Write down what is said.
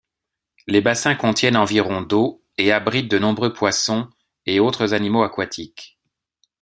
Les bassins contiennent environ d'eau et abrite de nombreux poissons et autres animaux aquatiques.